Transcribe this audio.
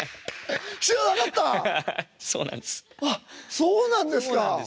そうなんです。